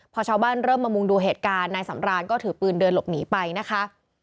พอชาวบ้านเริ่มมามุงดูเหตุการณ์นายสำรานก็ถือปืนเดินหลบหนีไปนะคะ